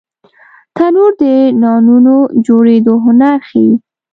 تنور د نانونو جوړېدو هنر ښيي